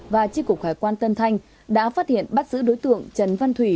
và chi cục khải quan tân thanh đã phát hiện bắt giữ đối tượng trần văn thủy